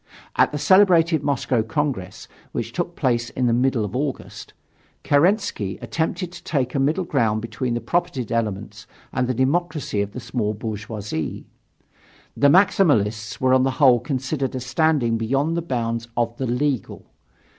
At the celebrated Moscow Congress, which took place in the middle of August, Kerensky attempted to take a middle ground between the propertied elements and the democracy of the small bourgeoisie. The Maximalists were on the whole considered as standing beyond the bounds of the "legal."